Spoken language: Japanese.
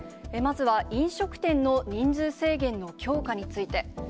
まずは飲食店の人数制限の強化について。